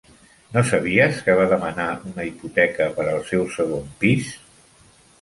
No sabies que va demanar una hipoteca per al seu segon pis?